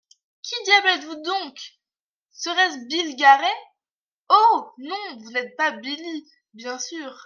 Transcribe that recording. Qui diable êtes-vous donc ! Serait-ce Bill Garey ? Oh ! non, vous n'êtes pas Billye, bien sûr.